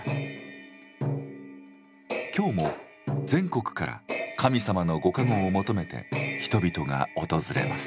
今日も全国から神様の御加護を求めて人々が訪れます。